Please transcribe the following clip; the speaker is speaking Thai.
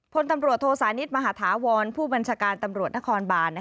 พลตำรวจโทสานิทมหาธาวรผู้บัญชาการตำรวจนครบาน